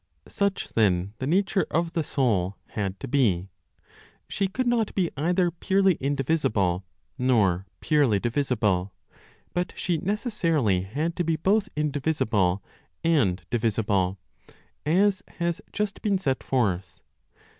Such then the nature of the soul had to be. She could not be either purely indivisible, nor purely divisible, but she necessarily had to be both indivisible and divisible, as has just been set forth.